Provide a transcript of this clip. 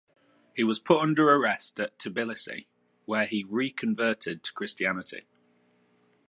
He was put under arrest at Tbilisi, where he reconverted to Christianity.